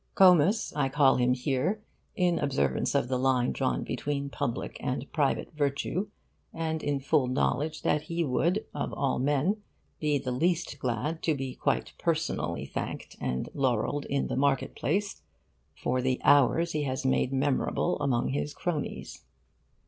Comus I call him here in observance of the line drawn between public and private virtue, and in full knowledge that he would of all men be the least glad to be quite personally thanked and laurelled in the market place for the hours he has made memorable among his cronies.